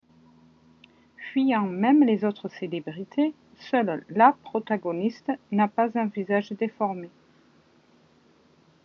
Fuyant même les autres célébrités, seule la protagoniste n'a pas un visage déformé.